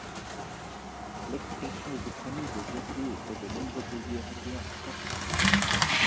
L'expansion de cette famille de verriers dans de nombreux pays européens est sans précédent.